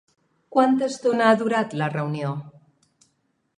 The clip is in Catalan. Quanta estona ha durat la reunió?